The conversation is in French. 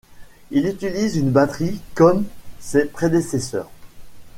Il utilise une batterie comme ses prédécesseurs.